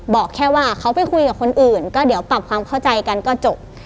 บอกแค่ว่าเขาไปคุยกับคนอื่นก็เดี๋ยวปรับความเข้าใจกันก็จบ